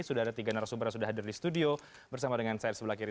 sudah ada tiga narasumber yang sudah hadir di studio bersama dengan saya di sebelah kiri